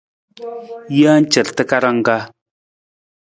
Jee car takarang ka.